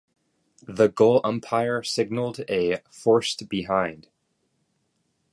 The goal umpire signalled a "forced behind".